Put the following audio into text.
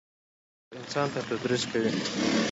استاد د هر عمر انسان ته تدریس کوي.